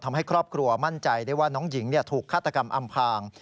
ทำให้ครอบครัวมั่นใจได้ว่าน้องหญิงถูกฆาตกรรมอำพาง